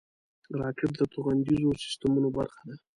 راکټ د توغندیزو سیسټمونو برخه ده